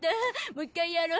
もう一回やろう。